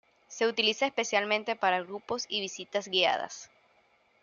Se utiliza especialmente para grupos y visitas guiadas.